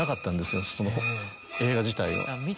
映画自体を。